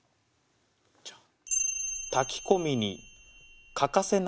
じゃん。